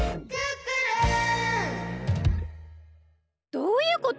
どういうこと？